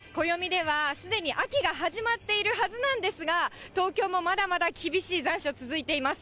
あすから９月ということで、暦ではすでに秋が始まっているはずなんですが、東京もまだまだ厳しい残暑、続いています。